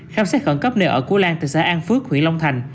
khám xét khẩn cấp nơi ở của lan từ xã an phước huyện long thành